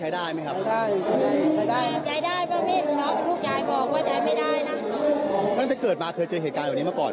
ให้อบประยบเด็กกับคนแก่ให้กล้ามมาก่อน